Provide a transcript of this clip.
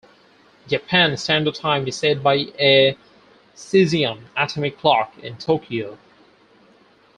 Japan Standard Time is set by a caesium atomic clock in Tokyo.